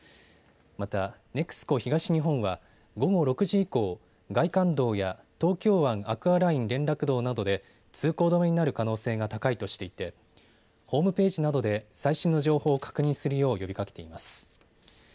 また、ＮＥＸＣＯ東日本は午後６時以降、外環道や東京湾アクアライン連絡道などで通行止めになる可能性が高いとしていてホームページなどで最新の情報を確認するよう呼びかけています。